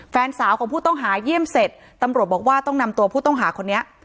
แฟนสาวของผู้ต้องหาเยี่ยมเสร็จตำรวจบอกว่าต้องนำตัวผู้ต้องหาคนนี้